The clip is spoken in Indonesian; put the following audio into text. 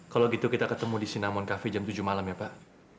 kalau gitu kita ketemu di sinamon cafe jam tujuh malam ya pak